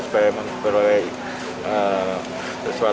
supaya memperoleh sesuatu